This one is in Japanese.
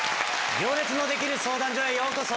『行列のできる相談所』へようこそ。